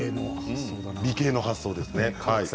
理系の発想ですね。